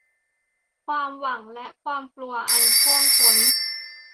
"ความหวังและความกลัวอันท่วมท้น"